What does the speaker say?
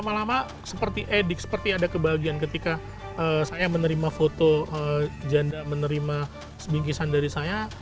lama lama seperti edik seperti ada kebahagiaan ketika saya menerima foto janda menerima sebingkisan dari saya